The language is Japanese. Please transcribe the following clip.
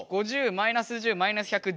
５０マイナス１０マイナス１００１０。